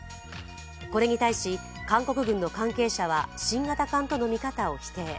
これに対し韓国軍の関係者は新型艦との見方を否定。